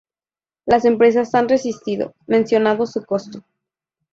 Las empresas han resistido, mencionado su costo.